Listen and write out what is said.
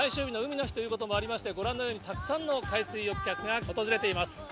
３連休最終日の海の日ということもありまして、ご覧のようにたくさんの海水浴客が訪れています。